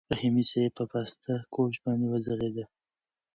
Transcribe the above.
رحیمي صیب په پاسته کوچ باندې وغځېد.